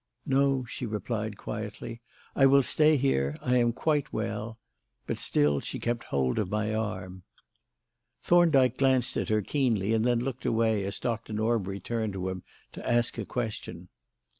"No," she replied quietly, "I will stay here. I am quite well." But still she kept hold of my arm. Thorndyke glanced at her keenly and then looked away as Dr. Norbury turned to him to ask a question.